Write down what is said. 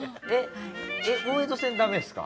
大江戸線ダメですか？